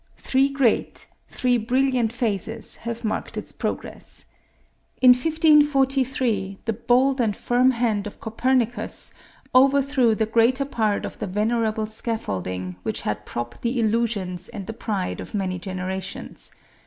Three great, three brilliant phases have marked its progress. In 1543 the bold and firm hand of Copernicus overthrew the greater part of the venerable scaffolding which had propped the illusions and the pride of many generations.